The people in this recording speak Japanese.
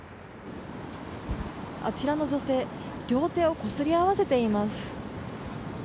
あちらの女性両手をこすり合わせています。